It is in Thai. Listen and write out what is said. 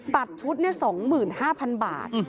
ตัดชุดเนี่ย๒๕๐๐๐บาท